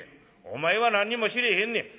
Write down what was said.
お前は何にも知れへんねん。